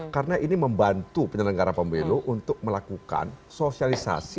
karena ini membantu penyelenggara pemilu untuk melakukan sosialisasi